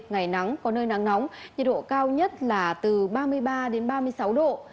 ngày nắng có nơi nắng nóng nhiệt độ cao nhất là từ ba mươi ba đến ba mươi sáu độ